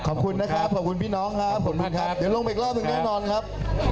ขอบคุณนะครับขอบคุณพี่น้องครับเดี๋ยวลงไปอีกรอบนึงแน่นอนครับ